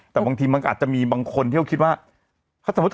แต่บางทีมันอาจจะมีบางคนที่เขาคิดว่า